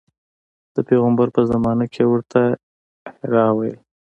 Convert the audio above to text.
د پیغمبر په زمانه کې یې ورته حرا ویل.